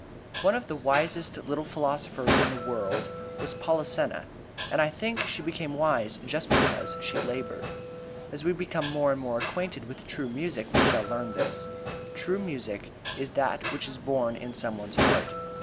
One of the wisest little philosophers in the world was Polissena, and I think she became wise just because she labored. As we become more and more acquainted with true music we shall learn this: True music is that which is born in some one's heart.